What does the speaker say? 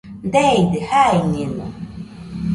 Deide, jaiñeno.